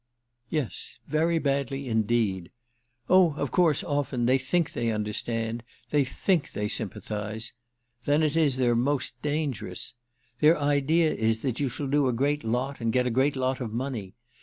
"Yes, very badly indeed. Oh of course, often, they think they understand, they think they sympathise. Then it is they're most dangerous. Their idea is that you shall do a great lot and get a great lot of money.